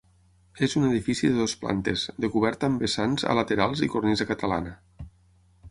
És un edifici de dues plantes, de coberta amb vessants a laterals i cornisa catalana.